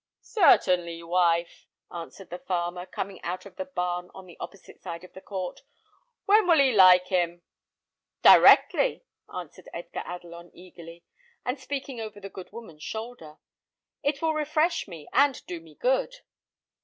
"Certainly, wife," answered the farmer, coming out of a barn on the opposite side of the court. "When will he like him?" "Directly," answered Edgar Adelon, eagerly, and speaking over the good woman's shoulder; "it will refresh me and do me good."